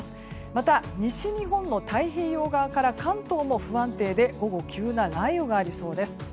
また、西日本の太平洋側から関東も不安定で午後、急な雷雨がありそうです。